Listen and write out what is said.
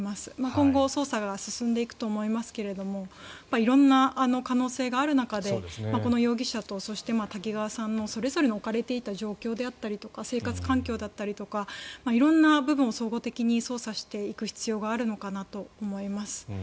今後、捜査が進んでいくと思いますけども色んな可能性がある中でこの容疑者とそして瀬川さんのそれぞれ置かれていた状況であったり生活環境だったりとか色んな部分を総合的に捜査していく必要があるのかなと思います。